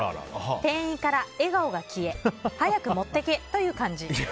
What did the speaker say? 店員から笑顔が消え早く持ってけという感じ。